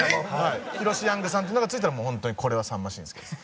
ヒロシ・ヤングさんっていうのがついたらもう本当にこれはさんま紳助さん。